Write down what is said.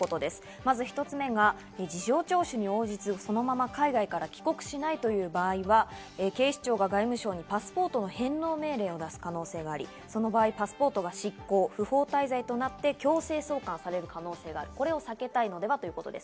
まず１つ目が事情聴取に応じず、そのまま海外から帰国しないという場合は、警視庁が外務省にパスポートの返納命令を出す可能性があり、その場合はパスポートが失効、不法滞在となって強制送還される可能性がある、これを避けたいのではということです。